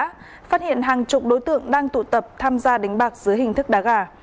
phát hiện hàng chục đối tượng đang tụ tập tham gia đánh bạc dưới hình thức đá gà